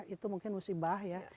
itu mungkin musibah ya